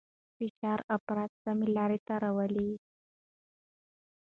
فشار افراد سمې لارې ته راولي.